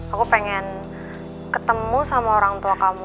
aku pengen ketemu sama orang tua kamu